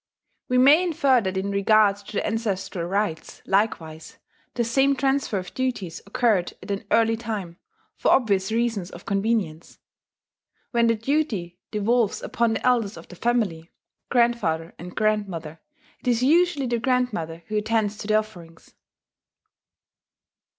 We may infer that in regard to the ancestral rites likewise, the same transfer of duties occurred at an early time, for obvious reasons of convenience. When the duty devolves upon the elders of the family grandfather and grandmother it is usually the grandmother who attends to the offerings.